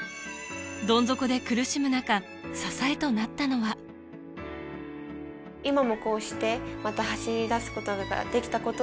どん底で苦しむ中支えとなったのは今もこうして。